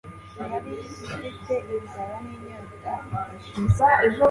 yari ifite inzara n'inyota bidashira.